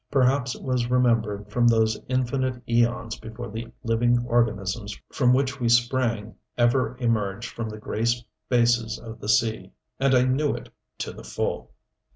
Perhaps it was remembered from those infinite eons before the living organisms from which we sprang ever emerged from the gray spaces of the sea. And I knew it to the full.